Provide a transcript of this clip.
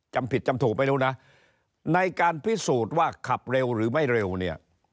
จำผิดจำถูกไม่รู้นะในการพิสูจน์ว่าขับเร็วหรือไม่เร็วเนี่ย